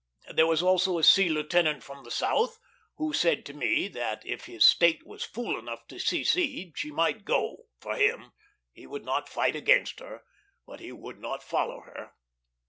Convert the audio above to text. There was also a sea lieutenant from the South, who said to me that if his State was fool enough to secede, she might go, for him; he would not fight against her, but he would not follow her.